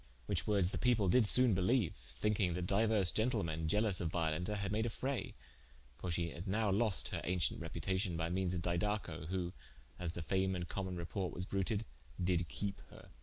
Whiche woordes the people did sone beleue, thinking that diuers gentlemen ielous of Violenta had made a fraye: for she had now loste her auncient reputacion by meanes of Didaco, who (as the fame and common reporte was bruted) did keepe her.